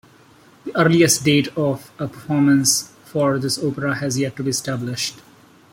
The earliest date of a performance for this opera has yet to be established.